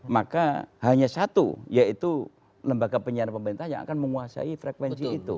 maka hanya satu yaitu lembaga penyiaran pemerintah yang akan menguasai frekuensi itu